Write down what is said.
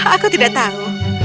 aku tidak tahu